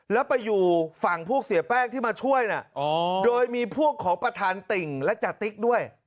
แล้วไปอยู่ฝั่งพวกเสียแป้งที่มาช่วยน่ะโดยมีพวกของประธานติ่งและจติ๊กด้วย